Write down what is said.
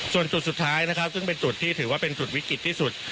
ส่วนจุดสุดท้ายนะครับซึ่งเป็นจุดที่ถือว่าเป็นจุดวิกฤตที่สุด